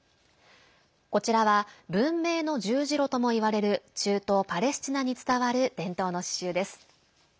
こちらは文明の十字路ともいわれる中東パレスチナに伝わる伝統の刺しゅうです。